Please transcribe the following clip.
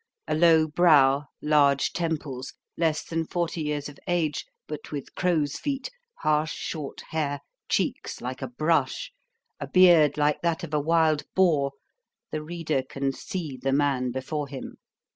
A low brow, large temples, less than forty years of age, but with crow's feet, harsh, short hair, cheeks like a brush, a beard like that of a wild boar; the reader can see the man before him.